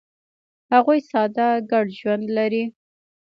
هغوی ساده ګډ ژوند لري.